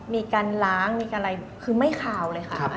มีการล้างมีการอะไรคือไม่คาวเลยค่ะ